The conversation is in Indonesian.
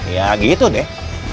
ya gitu deh